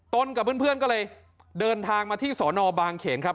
กับเพื่อนก็เลยเดินทางมาที่สอนอบางเขนครับ